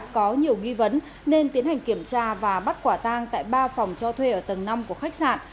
có nhiều nghi vấn nên tiến hành kiểm tra và bắt quả tang tại ba phòng cho thuê ở tầng năm của khách sạn